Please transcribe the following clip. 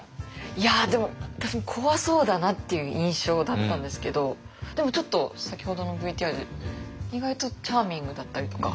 いやでも私も怖そうだなっていう印象だったんですけどでもちょっと先ほどのＶＴＲで意外とチャーミングだったりとか。